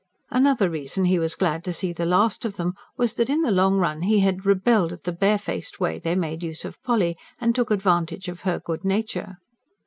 Another reason he was glad to see the last of them was that, in the long run, he had rebelled at the barefaced way they made use of Polly, and took advantage of her good nature.